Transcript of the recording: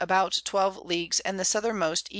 about 12 Leagues, and the Southermost E.